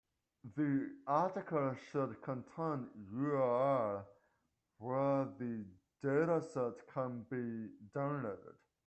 The article should contain URL where the dataset can be downloaded.